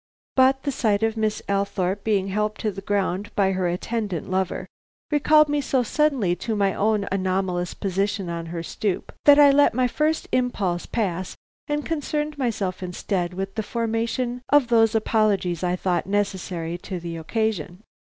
But the sight of Miss Althorpe being helped to the ground by her attendant lover, recalled me so suddenly to my own anomalous position on her stoop, that I let my first impulse pass and concerned myself instead with the formation of those apologies I thought necessary to the occasion.